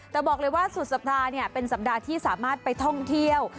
แต่บอกเลยว่าสุดสัปดาห์เป็นสัปดาห์ที่สามารถไปท่องเที่ยว